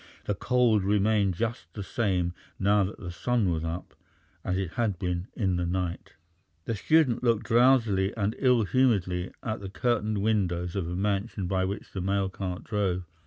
The cold remained just the same now that the sun was up as it had been in the night. The student looked drowsily and ill humouredly at the curtained windows of a mansion by which the mail cart drove.